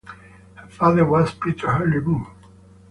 Her father was Peter Henry Moore.